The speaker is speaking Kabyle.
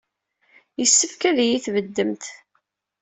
Yessefk ad iyi-tbeddemt.